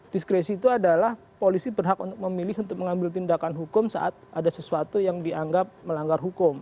diskresi itu adalah polisi berhak untuk memilih untuk mengambil tindakan hukum saat ada sesuatu yang dianggap melanggar hukum